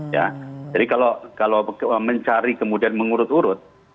jadi kalau mencari kemudian mengurut urut